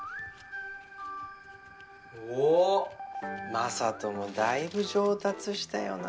雅人もだいぶ上達したよな。